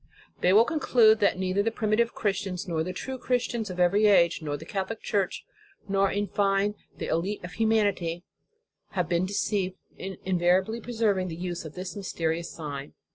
They will conclude that neither the primitive Christians, nor the true Chris tians of every age, nor the Catholic Church, nor in fine, the elite of humanity have been deceived in invariably preserving the use of this mysterious sign.